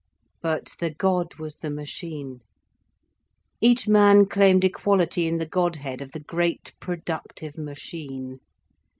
But the God was the machine. Each man claimed equality in the Godhead of the great productive machine.